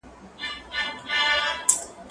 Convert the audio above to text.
زه به سبا سندري اورم وم،